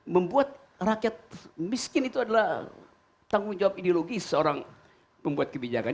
membuat rakyat miskin itu adalah tanggung jawab ideologis seorang pembuat kebijakan